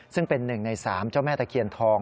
ซึ่งเป็น๑ใน๓เจ้าแม่ตะเคียนทอง